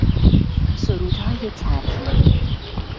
سرودهای ترحیمی